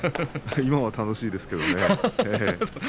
今は楽しいですけどね。